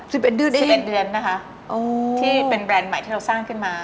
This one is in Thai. อ๋อเหรอคะ๑๑เดือนเองอ๋อที่เป็นแบรนด์ใหม่ที่เราสร้างขึ้นมา